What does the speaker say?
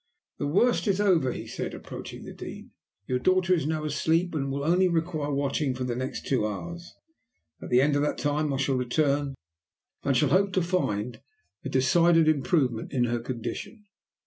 "The worst is over," he said, approaching the Dean; "your daughter is now asleep, and will only require watching for the next two hours. At the end of that time I shall return, and shall hope to find a decided improvement in her condition."